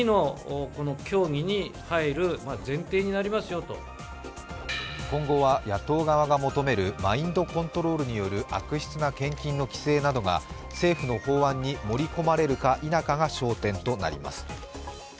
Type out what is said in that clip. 野党側は今後は野党側が求めるマインドコントロールによる悪質な献金の規制などが政府の法案に盛り込まれるか否かが焦点となります。